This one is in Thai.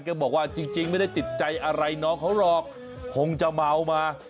ก็บอกว่าจริงไม่ได้ติดใจอะไรน้องเขาหรอกคงจะเมามา